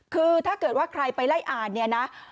คือถ้าเกิดว่าใครไปไล่อ่านเนี่ยนะ